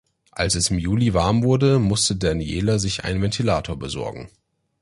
Als es im Juli warm wurde musste Daniela sich einen Ventilator besorgen.